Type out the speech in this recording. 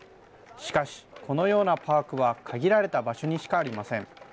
しかし、このようなパークは限られた場所にしかありません。